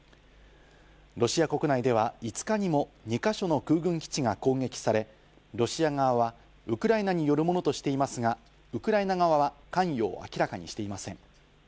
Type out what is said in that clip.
ロシア国内では５日にも２か所の空軍基地が攻撃され、ロシア側はウクライナによるものとしていますが、ウクライナ側は関与を明らかにしていません。